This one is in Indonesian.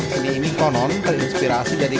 seni ini konon berinspirasi dan iklimat